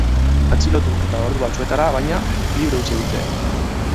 Atxilotu eta ordu batzuetara, baina, libre utzi dute.